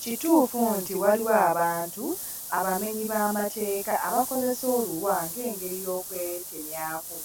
Kituufu nti waliwo abantu abamenyi b'amateeka abakozesa oluwa ng'engeri y'okwetemyako.